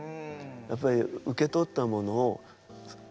やっぱり受け取ったものを次へおくる。